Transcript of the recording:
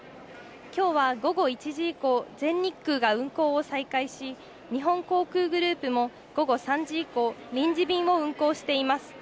きょうは午後１時以降、全日空が運航を再開し、日本航空グループも午後３時以降、臨時便を運航しています。